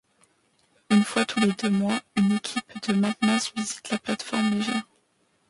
Une fois tous les deux mois, une équipe de maintenance visite la plate-forme légère.